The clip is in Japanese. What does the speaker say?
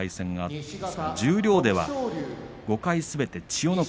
十両では５回すべて千代の国。